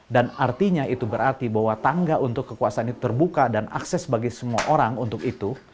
dan artinya itu berarti bahwa tangga untuk kekuasaan itu terbuka dan akses bagi semua orang untuk itu